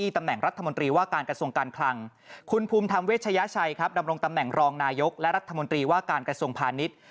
ตำแหน่งรองนายกและรัฐมนตรีว่าการกระทรวงพาณิชย์